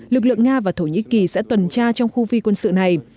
lực lượng nga và thổ nhĩ kỳ sẽ tuần tra trong khu phi quân sự này